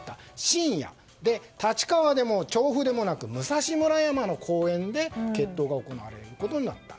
深夜、立川でも調布でもなく武蔵村山の公園で決闘が行われることになった。